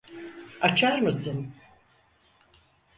Açar mısın?